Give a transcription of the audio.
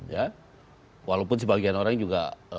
ya walaupun sebagian orang juga